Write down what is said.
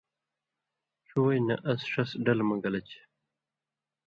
ݜُو وجہۡ نہ اَس ݜس ڈل مہ گلہ چھی۔